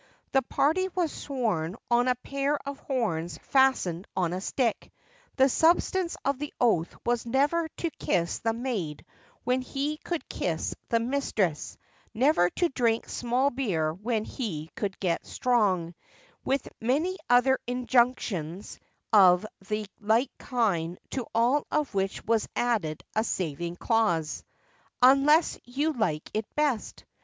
The party was sworn on a pair of horns fastened on a stick; the substance of the oath was never to kiss the maid when he could kiss the mistress, never to drink small beer when he could get strong, with many other injunctions of the like kind to all of which was added a saving clause—Unless you like it best!